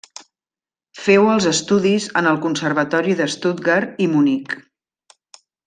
Féu els estudis en el Conservatori de Stuttgart i Munic.